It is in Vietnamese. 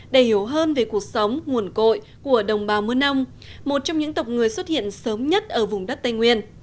để hiểu hơn về cuộc sống nguồn cội của đồng bào mườ nông một trong những tộc người xuất hiện sớm nhất ở vùng đất tây nguyên